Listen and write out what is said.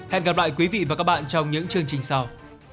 hẹn gặp lại quý vị và các bạn trong những chương trình sau